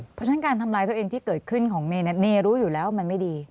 เพราะฉะนั้นการทำร้ายตัวเองที่เกิดขึ้นของเนรู้อยู่แล้วว่ามันไม่ดี